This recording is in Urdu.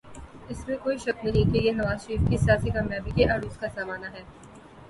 اس میں کوئی شک نہیں کہ یہ نواز شریف کی سیاسی کامیابی کے عروج کا زمانہ ہے۔